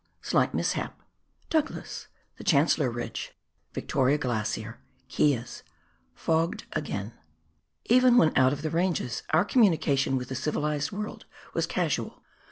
Sligiit Misliap— Douglas — The Chancellor Ridge — Vickoria Glacier — Keas— Fogged again. Even when out of the ranges our communication with the civilised world was casual.